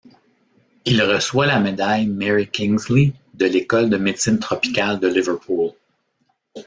Il reçoit la médaille Mary Kingsley de l’école de médecine tropicale de Liverpool.